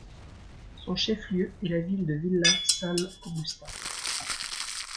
Son chef-lieu est la ville de Villa San Agustín.